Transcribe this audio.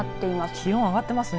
気温、あがっていますね。